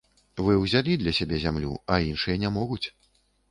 Вы ўзялі для сябе зямлю, а іншыя не могуць.